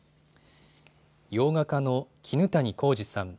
洋画家の絹谷幸二さん。